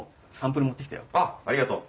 あっありがとう。